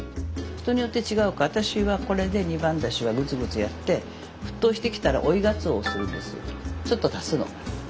人によって違うけど私はこれで二番だしはぐつぐつやって沸騰してきたら追いがつおをするんですよちょっと足すの。